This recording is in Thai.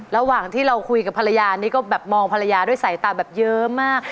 ระหว่างที่เราคุยกับภรรยานี่ก็แบบมองภรรยาด้วยสายตาแบบเยอะมาก